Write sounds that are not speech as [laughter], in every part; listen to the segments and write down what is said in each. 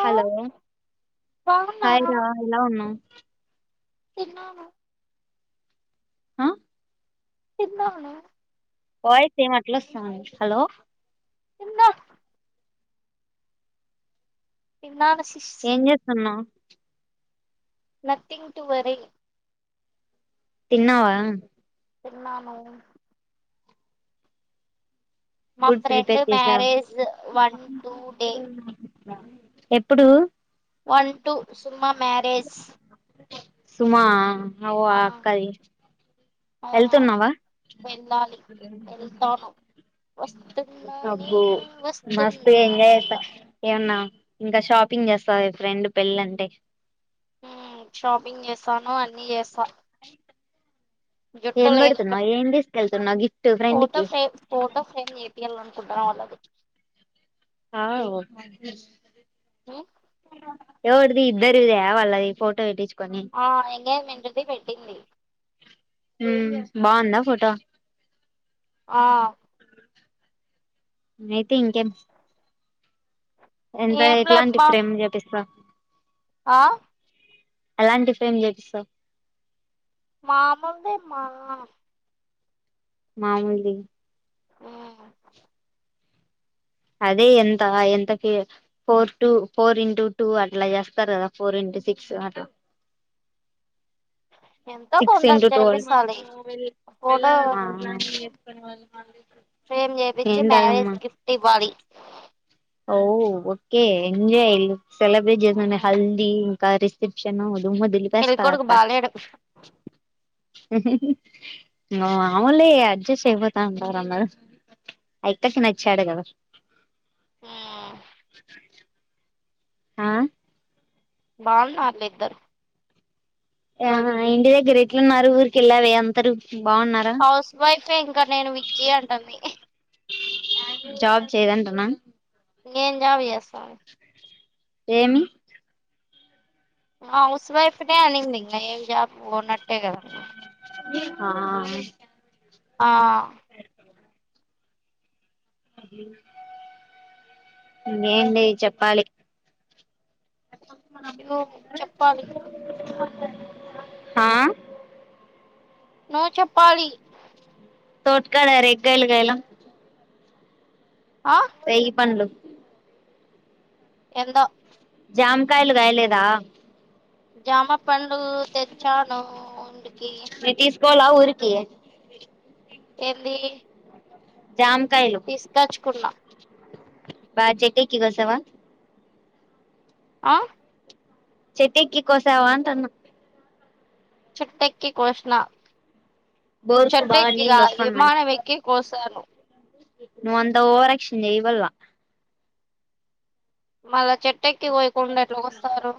hello hi బాగున్నారా రా ఎలా ఉన్నావ్ తిన్నావా ఆ తిన్నాను వాయిస్ ఎం మట్ల వస్తుంది హలో తిన్నా తిన్నాను సిస్ ఏం చేస్తున్నా నథింగ్ టు వరి తిన్నావా తిన్నాను మా ఫుడ్ ఫ్రెండ్ ప్రిపేర్ చేసావా మ్యారేజ్ వన్ టూ డే ఎప్పుడు వన్ టు సుమ మ్యారేజ్ సుమా ఓ ఆ అక్కది ఆ వెళ్తున్నావా వెళ్ళాలి వెళ్తాను వస్తున్నా అబ్బో నేనే వస్తున్నా అంట ఆ ఇంక షాపింగ్ చేస్తవ ఫ్రెండ్ పెళ్ళంటే హ్మ్ షాపింగ్ చేసాను అన్ని చేస ఎం లేదు ఒక పెడుతున్నావు ఏం తీసుకెళ్తున్నావు గిఫ్ట్ ఫ్రెండ్కి కుంటన వాళ్ళది అవ్ [unintelligible] హ్మ్ ఎవరిది ఇద్దరిద వాళ్ళది ఫోటో పెటీచ్ ఆ ఎంగేజ్మెంట్ ది వెడ్డింగ్ ది హ్మ్ బంధ ఫోటో ఆ అయితే ఇంకేం ఎంత ఏం ఎట్లాంటి లేమ్మా ఫ్రేమ్ చెపిస్తవ్ ఆ ఎలాంటి ఫ్రేమ్ చేపిస్తవ్ మామూల్ దే మా మామూల్ది హ్మ్ అదే ఎంత ఎంతకి four two four into two అట్లా చేస్తారు కదా ఫోర్ ఇంటూ సిక్స్ అట్లా ఎంతో సిక్స్ కొంత ఇంటూ ట్వెల్వ్ ఆ చేపిస్తాలే క్ ఫోటో వల్లీ మళ్ళీ ఫ్రేమ్ చేయించి మ్యారేజ్ గిఫ్ట్ ఎవలి ఓ ఒక ఎంజాయ్ ఇల్లు సెలబ్రేట్ చేస హల్దీ ఇంకారీ త్రిషణవుద దుమ్ము పెళ్ళి కొడుకు దులిపేస్తారట బాలేడు మా ఆవునులే అడ్జస్ట్ అయిపోతా అన్నారు ఆ అక్కకి నచ్చాడు కదా ఆ బాలు వాళ్ళిద్దరూ ఆ ఇంటి దగ్గర ఎట్లున్నారు ఊరికిళ్ళా వే అంతరు హౌస్ వైఫే ఇంకా నేను విక్కి అంటుంది జాబ్ చేయదంటనా ఇంగేం జాబ్ చేస్తా [inaudible] ఏమి హౌస్ వైఫ్ నే అనింది ఇంగ ఏం జాబ్ పోనట్టే కదా ఆ ఆ ఏం లేదు చెప్పాలి ఏమో చెప్పాలి ఆ నో చెప్పాలి తోట కాడ రేగ్గాయలు గాయలే ఆ రేగి పండ్లు ఏందో జాం కాయలు కాయలేదా జామప్ పండ్లు తెచ్చాను ఇంటికి పోలా ఊరికి ఏందీ జామకాయలు బ చెట్టు ఎక్కి కోసవ ఆ చెట్టు ఎక్కి కోసావా అంటన్న చెట్టు ఎక్కి కోసిన బోరుకు చెట్టు బాగా ఎక్కి నీళ్ళు కాదు విమానం ఎక్కి కోసాను నువ్వు అంత ఓవర్యాక్షన్ చేయవల్ల మగ చెట్టు ట్టెక్కి కోయకుండా ఎట్లా కోస్తారు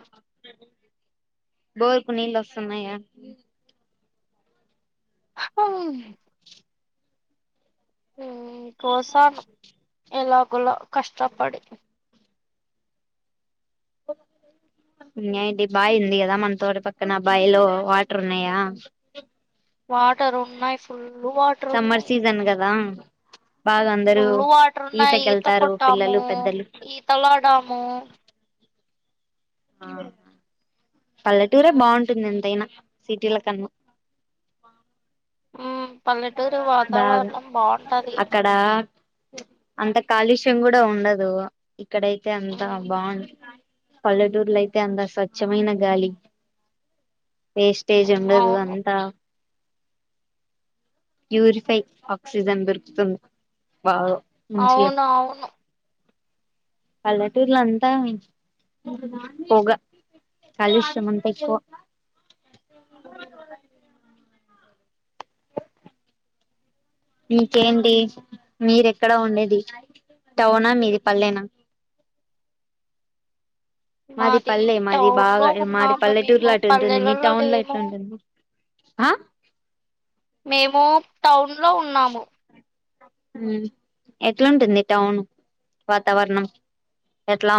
స్తున్నయ ఆ హ్మ్ మ్మ్ కోసాను ఎలాగోలా కష్టపడి ఇంకేంటి బాయి ఉంది కదా మన తోటి పక్కన బాయిలో వాటర్ ఉన్నాయా వాటర్ ఉన్నాయి ఫుల్ సమ్మర్ సీజన్ కదా బాగా అందరూ ఫుల్లు వాటరున్నాయి ఈత ఈతకెళ్తారు కొట్టాము పిల్లలు పెద్దలు ఈతలాడాము ఆహా పల్లెటూరే బాంటుంది ఎంతైనా సిటీల కన్నా మ్మ్ పల్లెటూరి బాగా వాతావరణం బాగుంటది అక్కడ అంత కాలుష్యం కూడ ఉండదు ఇక్కడైతే అంతా మ్మ్ బాగున్ పల్లెటూర్లో అయితె అంత స్వచ్ఛమైన గాలి వేస్టేజ్ మ్మ్ ఉండదు అవును అంతా ప్యూరిఫై ఆక్సిజన్ దొరుకుతుంది బాగ అవును అవును పల్లెటూర్ల అంతా పొగ కాలుష్యం అంతా ఎక్కువ ఇంకేంటి మీరూ ఎక్కడ ఉండేది టౌనా మీది పల్లెన మాది పల్లె మాది టౌన్ లో బాగా మాది ఉన్నాము పల్లెటూర్ లో మేము అటు ఉంటుంది మీ పల్లెలలో టౌన్ లో ఎట్ల లేము ఉంటుంది ఆ మేము టౌన్ లొ ఉన్నాము హు ఎట్లుంటుంది టౌన్ వాతావరణం ఎట్లా